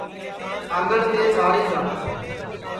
سانگڑ میچ ہری گا ہے